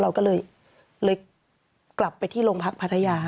เราก็เลยกลับไปที่โรงพักพัทยา